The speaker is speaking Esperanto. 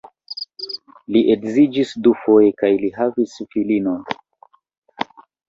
Li edziĝis dufoje kaj li havis filinon.